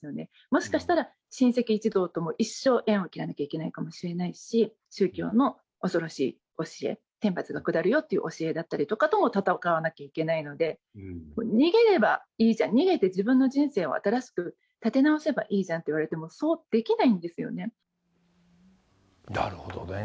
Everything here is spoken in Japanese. もしかしたら、親戚一同とも一生縁を切らなきゃいけないかもしれないですし、宗教の恐ろしい教え、天罰が下るよという教えだったりとかとも戦わなきゃいけないので、逃げればいいじゃん、逃げて自分の人生を新しく立て直せればいいじゃんと言われても、なるほどね。